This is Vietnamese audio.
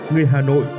người hà nội